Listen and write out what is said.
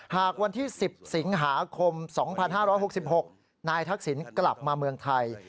หากวันที่๑๐สิงหาคม๒๕๖๖นายทักษิณกลับมาเมืองไทย